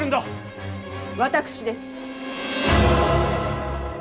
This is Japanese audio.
私です。